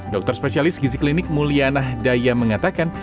dokter spesialis gizi klinik mulyana daya mengatakan